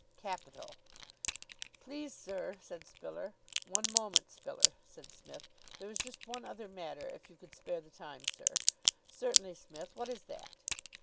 "Capital!" "Please, sir " said Spiller. "One moment, Spiller," said Psmith. "There is just one other matter, if you could spare the time, sir." "Certainly, Smith. What is that?"